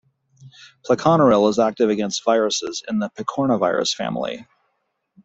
Pleconaril is active against viruses in the picornavirus family.